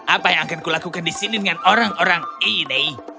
apa yang akan kulakukan di sini dengan orang orang ini